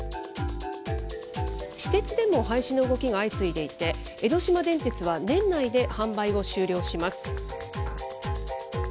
私鉄でも廃止の動きが相次いでいて、江ノ島電鉄は年内で販売を終了します。